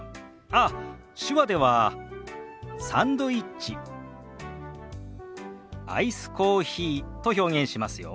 ああ手話では「サンドイッチ」「アイスコーヒー」と表現しますよ。